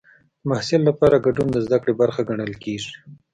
د محصل لپاره ګډون د زده کړې برخه ګڼل کېږي.